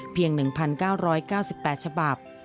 เพียง๑๙๙๘ฉบับ